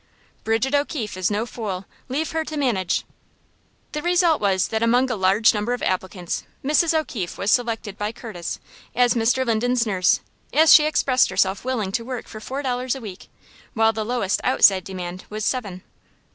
"Bridget O'Keefe is no fool. Leave her to manage." The result was that among a large number of applicants Mrs. O'Keefe was selected by Curtis as Mr. Linden's nurse, as she expressed herself willing to work for four dollars a week, while the lowest outside demand was seven.